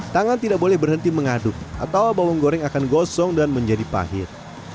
tangan tidak boleh berhenti mengaduk atau bawang goreng akan gosong dan menjadi pahit